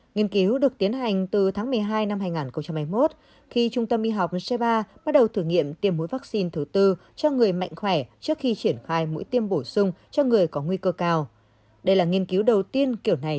nghiên cứu được tiến hành từ tháng một mươi hai năm hai nghìn hai mươi một khi trung tâm y học c ba bắt đầu thử nghiệm tiêm mũi vaccine thứ tư